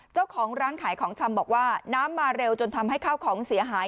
เจ้าของร้านขายของชำบอกว่าน้ำมาเร็วจนทำให้ข้าวของเสียหาย